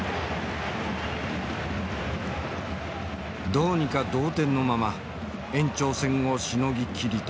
どうにか同点のまま延長戦をしのぎきりたい。